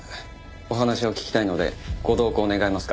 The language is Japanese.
お話を聞きたいのでご同行願えますか？